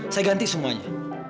saya ganti semuanya